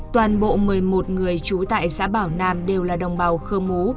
toàn bộ một mươi một người trú tại xã bảo nam đều là đồng bào khơ mú